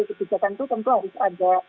kebijakan itu tentu harus ada